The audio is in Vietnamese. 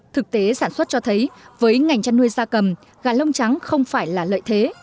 thực tế sản xuất cho thấy với ngành chăn nuôi gia cầm gà lông trắng không phải là lợi thế